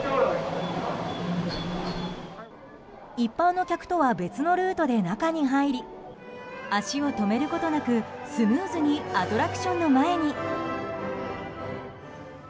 一般の客とは別のルートで中に入り足を止めることなくスムーズにアトラクションの前に。